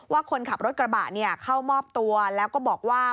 ว่าคนขับรถกระบะเข้ามอบตัวแล้วก็บอกว่า